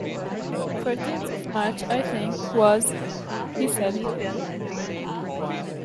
‘Fourteenth of March, I think it was,’ he said.